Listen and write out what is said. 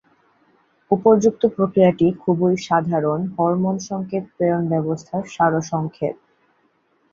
উপর্যুক্ত প্রক্রিয়াটি খুবই সাধারণ হরমোন সংকেত প্রেরণ ব্যবস্থার সারসংক্ষেপ।